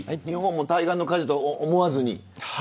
日本も対岸の火事と思わずに。